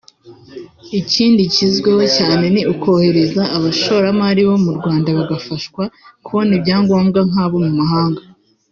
Ikindi cyizweho cyane ni ukorohereza abashoramari bo mu Rwanda bagafashwa kubona ibyangombwa nk’abo mu mahanga